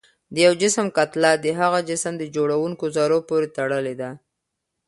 د یو جسم کتله د هغه جسم د جوړوونکو ذرو پورې تړلې ده.